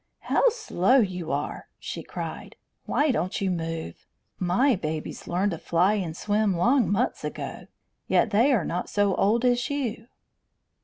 "How slow you are!" she cried. "Why don't you move? My babies learned to fly and swim long months ago, yet they are not so old as you."